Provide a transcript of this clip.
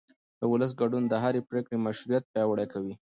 د ولس ګډون د هرې پرېکړې مشروعیت پیاوړی کوي